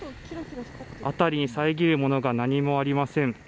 辺りに遮るものが何もありません。